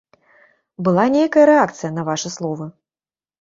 Была нейкая рэакцыя на вашы словы?